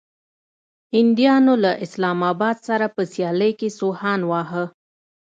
هنديانو له اسلام اباد سره په سيالۍ کې سوهان واهه.